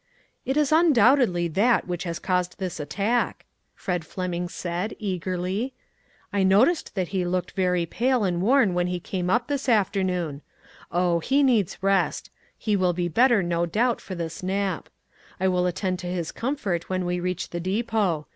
"It is undoubtedly that which has caused this attack," Fred Fleming said, eagerly. " I noticed that he looked very pale and worn when lie came np this afternoon. Oh ! he needs rest ; he will be better, no doubt, for this nap. I will attend to his comfort when we reach the depot.